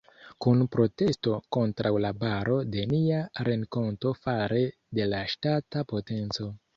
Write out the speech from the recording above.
Kun protesto kontraŭ la baro de nia renkonto fare de la ŝtata potenco.